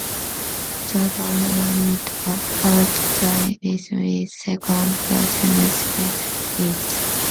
The band rounded out the lineup with second guitarist Pete Ricci.